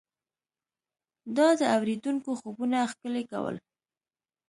دا د اورېدونکو خوبونه ښکلي کول.